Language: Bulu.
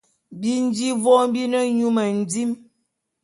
Bi nji vôm bi ne nyu mendim.